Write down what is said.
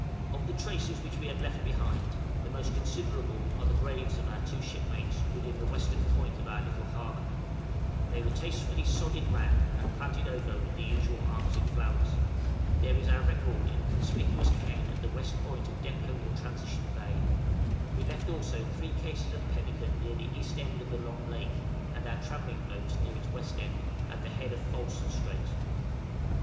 } Of the traces which we have left behind us, the most considerable are the graves of our two shipmates within the western point of our little harbor; they were tastefully sodded round, and planted over with the usual Arctic flowers. There is our record in a conspicuous cairn at the west point of Depôt or Transition Bay: we left also three cases of pemmican near the east end of the Long Lake, and our travelling boat near its west end, at the head of False Strait.